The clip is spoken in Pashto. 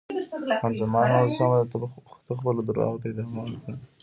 خان زمان وویل: سمه ده، ته خپلو درواغو ته ادامه ورکړه.